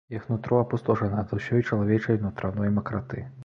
Іх нутро апустошана ад усёй чалавечай нутраной макраты.